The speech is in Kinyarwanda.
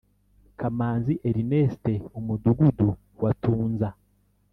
kamanzi erneste umudugudu wa tunza